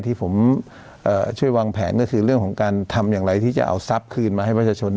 ที่ผมช่วยวางแผนก็คือเรื่องของการทำอย่างไรที่จะเอาทรัพย์คืนมาให้ประชาชน